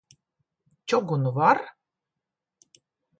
Čugunu var?